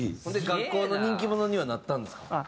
ほんで学校の人気者にはなったんですか？